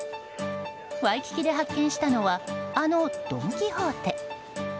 ワイキキで発見したのはあのドン・キホーテ。